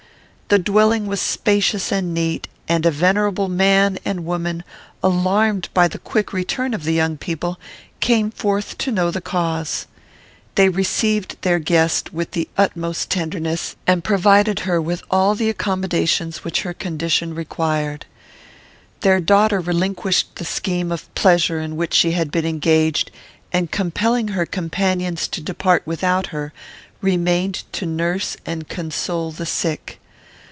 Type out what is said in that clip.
The dwelling was spacious and neat, and a venerable man and woman, alarmed by the quick return of the young people, came forth to know the cause. They received their guest with the utmost tenderness, and provided her with all the accommodations which her condition required. Their daughter relinquished the scheme of pleasure in which she had been engaged, and, compelling her companions to depart without her, remained to nurse and console the sick.